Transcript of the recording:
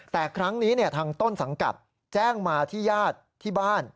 แต่ครั้งนี้ทางต้นสังกัดแจ้งมาที่ญาติที่บ้าน